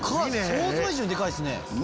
想像以上にでかいですね。